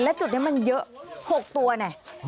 และจุดนี้มันเยอะ๖ตัวเนี่ย